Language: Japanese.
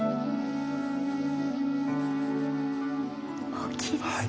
大きいですね。